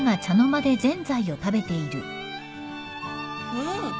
うん！